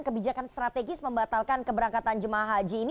kebijakan strategis membatalkan keberangkatan jemaah haji ini